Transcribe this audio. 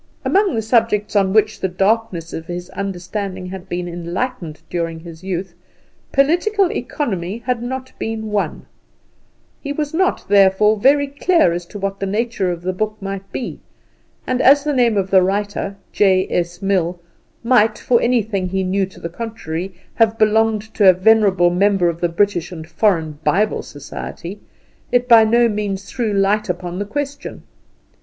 Among the subjects on which the darkness of his understanding had been enlightened during his youth, Political Economy had not been one. He was not, therefore, very clear as to what the nature of the book might be; and as the name of the writer, J.S. Mill, might, for anything he knew to the contrary, have belonged to a venerable member of the British and Foreign Bible Society, it by no means threw light upon the question.